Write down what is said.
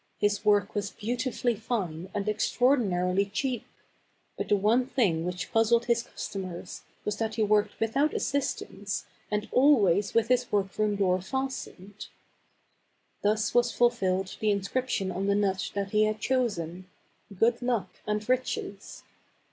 His work was beautifully fine and extraordinarily cheap ; but the one thing which puzzled his customers was that he worked with out assistants, and always with his workroom door fastened. Thus was fulfilled the inscription on the nut that he had chosen :" Good Luck and Riches."